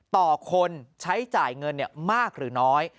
ต่อคนใช้จ่ายเงินมากหรือน้อย